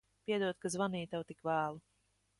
Piedod, ka zvanīju tev tik vēlu.